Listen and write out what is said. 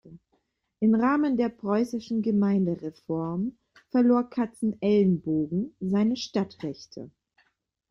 Im Rahmen der preußischen Gemeindereform verlor Katzenelnbogen seine Stadtrechte.